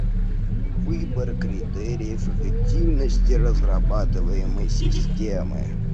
Выбор критериев эффективности разрабатываемой системы